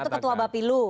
yang satu ketua bapilu